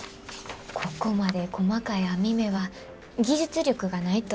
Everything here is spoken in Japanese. ここまで細かい網目は技術力がないとでけへんらしくて。